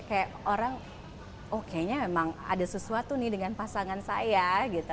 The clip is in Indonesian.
kayak orang oke memang ada sesuatu nih dengan pasangan saya gitu